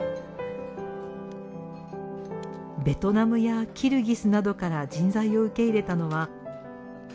ベトナムやキルギスなどから人材を受け入れたのは３年前。